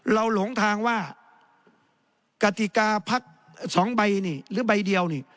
หลงทางว่ากติกาพักสองใบนี่หรือใบเดียวนี่